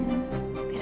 pirasatku dulu benar